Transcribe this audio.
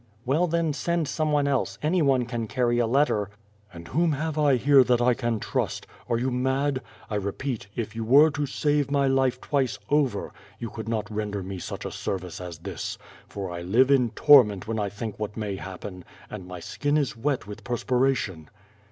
"Well, then, send some one else; any one can carry a letter." "And whom have I here that T can trust? Are you mad? I repeat, if you were to save my life twice over, you could not render me such a service as this. For I live in torment when I think what may happen, and my skin is wet with perspira tion."